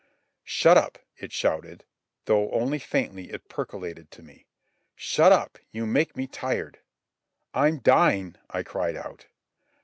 "Shut up," it shouted, though only faintly it percolated to me. "Shut up. You make me tired." "I'm dying," I cried out.